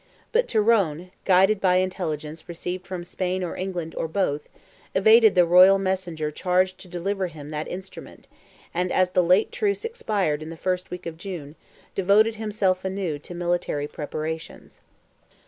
But Tyrone, guided by intelligence received from Spain or England, or both, evaded the royal messenger charged to deliver him that instrument, and as the late truce expired the first week of June, devoted himself anew to military preparations.